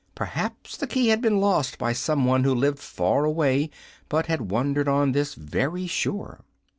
Perhaps the key had been lost by somebody who lived far away, but had wandered on this very shore.